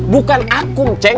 bukan akum ceng